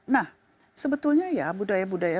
nah sebetulnya ya budaya budaya